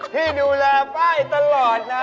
พี่ดูแลป้ายตลอดนะ